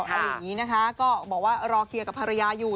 อะไรอย่างนี้นะคะก็บอกว่ารอเคลียร์กับภรรยาอยู่